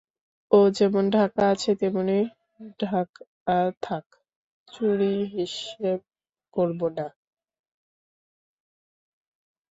ও যেমন ঢাকা আছে তেমনি ঢাকা থাক, চুরির হিসেব করব না।